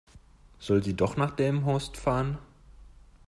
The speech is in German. Soll sie doch nach Delmenhorst fahren?